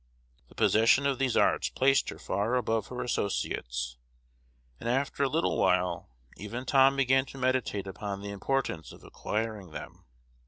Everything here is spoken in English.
The possession of these arts placed her far above her associates, and after a little while even Tom began to meditate upon the importance of acquiring them.